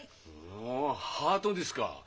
ほうハートですか！